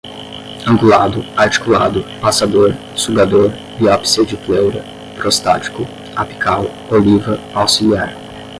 angulado, articulado, passador, sugador, biópsia de pleura, prostático, apical, oliva, auxiliar